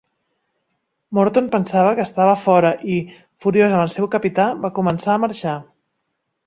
Morton pensava que estava fora i, furiós amb el seu capità, va començar a marxar.